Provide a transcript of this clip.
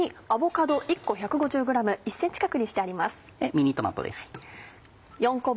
ミニトマトです。